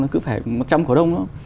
cứ phải một trăm linh cổ đông thôi